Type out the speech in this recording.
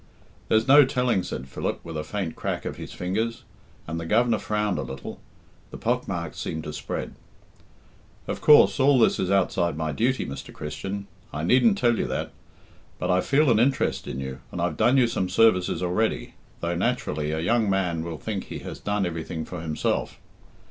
"There's no telling," said Philip, with a faint crack of his fingers; and the Governor frowned a little the pock marks seemed to spread. "Of course, all this is outside my duty, Mr. Christian I needn't tell you that; but I feel an interest in you, and I've done you some services already, though naturally a young man will think he has done everything for himself.